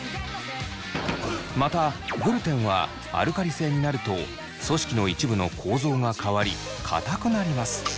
またグルテンはアルカリ性になると組織の一部の構造が変わりかたくなります。